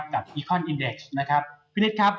กับอิคอนอินเดคส์นะครับ